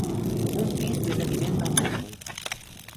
Un pis ben avinent del metro.